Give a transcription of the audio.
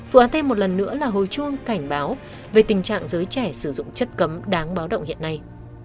vụ án thêm một lần nữa là hồi chuông cảnh báo về tình trạng giới trẻ sử dụng chất cấm đáng báo động hiện nay